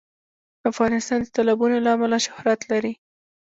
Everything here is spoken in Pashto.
افغانستان د تالابونه له امله شهرت لري.